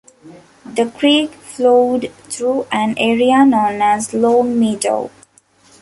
The creek flowed through an area known as Long Meadow.